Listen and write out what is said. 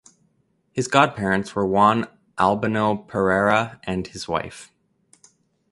His godparents were Juan Albano Pereira and his wife.